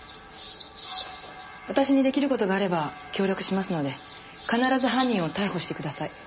私に出来る事があれば協力しますので必ず犯人を逮捕してください。